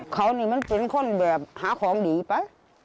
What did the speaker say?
เขานี่มันเป็นคนแบบหาของดีไป